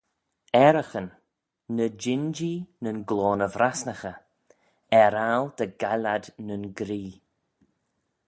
Ayraghyn, ny jean-jee nyn gloan y vrasnaghey, er-aggle dy gaill ad nyn gree.